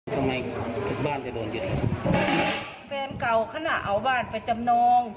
ทำไมบ้านจะโดนเยอะแฟนเก่าขณะเอาบ้านไปจำนอง